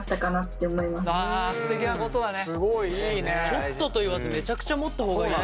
ちょっとと言わずめちゃくちゃ持った方がいい。